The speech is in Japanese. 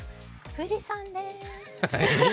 富士山です。